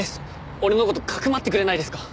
俺の事かくまってくれないですか？